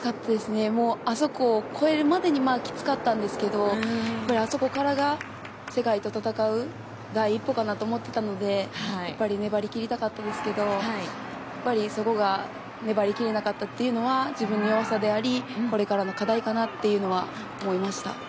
あそこを越えるまでにきつかったんですけどやっぱりあそこからが世界と戦う第一歩かなと思ってたのでやっぱり粘り切りたかったんですけどやっぱりそこが粘り切れなかったっていうのは自分の弱さでありこれからの課題であるかなとは思いました。